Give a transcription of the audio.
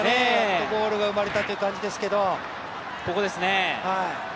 １ゴールが生まれたという感じですけど。